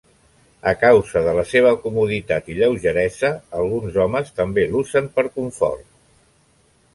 A causa de la seva comoditat i lleugeresa, alguns homes també l'usen per confort.